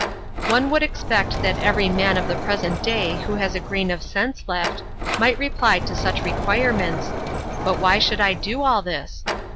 One would expect that every man of the present day who has a grain of sense left, might reply to such requirements, "But why should I do all this?"